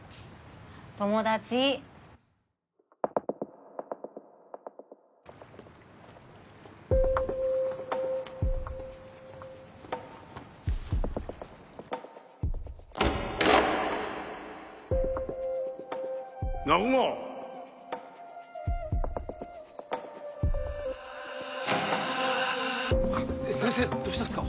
友達南雲先生どうしたんですか？